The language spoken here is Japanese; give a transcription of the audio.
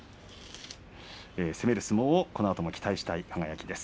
攻める相撲をこのあとも期待したい輝です。